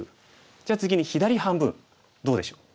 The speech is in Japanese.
じゃあ次に左半分どうでしょう？